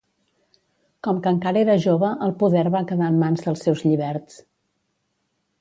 Com que encara era jove el poder va quedar en mans dels seus lliberts.